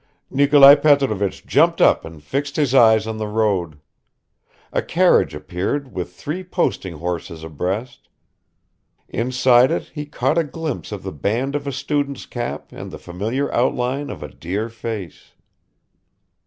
Nikolai Petrovich jumped up and fixed his eyes on the road. A carriage appeared with three posting horses abreast; inside it he caught a glimpse of the band of a student's cap and the familiar outline of a dear face